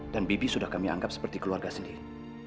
dan bibi sudah kami anggap seperti keluarga sendiri